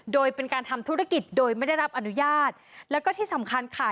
โดยเป็นการทำธุรกิจโดยไม่ได้รับอนุญาตแล้วก็ที่สำคัญค่ะ